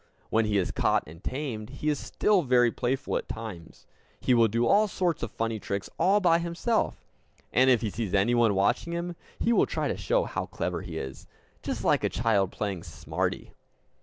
When he is caught and tamed, he is still very playful at times. He will do all sorts of funny tricks, all by himself; and if he sees anyone watching him, he will try to show how clever he is just like a child playing "smarty!"